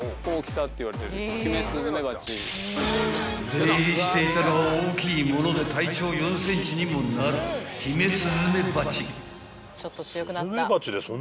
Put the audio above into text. ［出入りしていたのは大きいもので体長４ｃｍにもなるヒメスズメバチ］